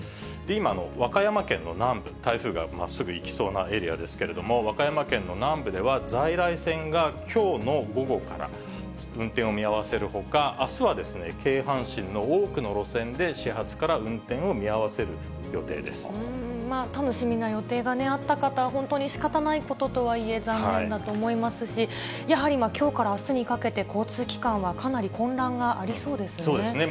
今、和歌山県の南部、台風がまっすぐ行きそうなエリアですけれども、和歌山県の南部では、在来線はきょうの午後から、運転を見合わせるほか、あすは京阪神の多くの路線で、始発から運転を見合わせる予定で楽しみな予定があった方、本当にしかたないこととはいえ、残念だと思いますし、やはりきょうからあすにかけて、交通機関はかなり混乱がありそうそうですね。